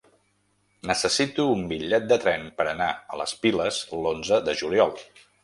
Necessito un bitllet de tren per anar a les Piles l'onze de juliol.